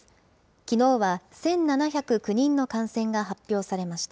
きのうは１７０９人の感染が発表されました。